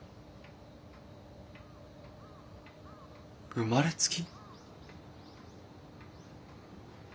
生まれつき？